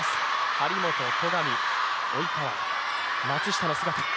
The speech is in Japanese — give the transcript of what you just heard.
張本、戸上、及川、松下の姿。